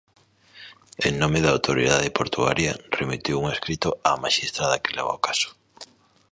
En nome da Autoridade Portuaria, remitiu un escrito á maxistrada que leva o caso.